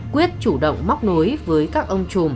quyết chủ động móc nối với các ông chùm